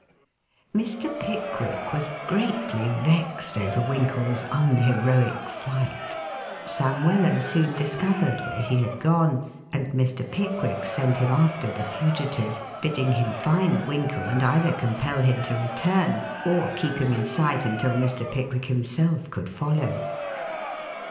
Mr. Pickwick was greatly vexed over Winkle's unheroic flight. Sam Weller soon discovered where he had gone, and Mr. Pickwick sent him after the fugitive, bidding him find Winkle and either compel him to return or keep him in sight until Mr. Pickwick himself could follow.